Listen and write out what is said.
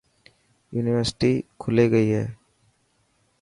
يونيورسٽي کلي گئي هي.